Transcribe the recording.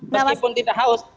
meskipun tidak haus